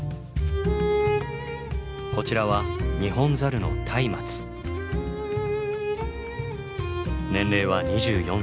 こちらは年齢は２４歳。